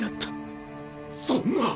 そんな。